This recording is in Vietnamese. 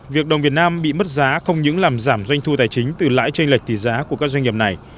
việc đồng việt nam bị mất giá không những làm giảm doanh thu tài chính từ lãi tranh lệch tỷ giá của các doanh nghiệp này